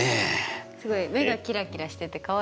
すごい目がキラキラしててかわいいですよね。